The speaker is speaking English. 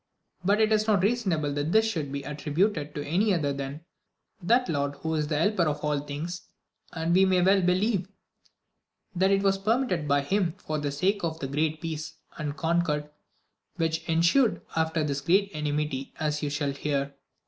But it is not reasonable that this should be attiibuted to any other than that Lord who is the helper of all things ; and we may well believe, that it was permitted by Him for the sake of the great peace and concord which ensued after this great enmity, as you shall hear.